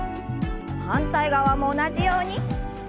反対側も同じように。